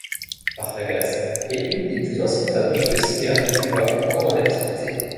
Partagas est une des plus anciennes fabriques de cigares de Cuba encore en activité.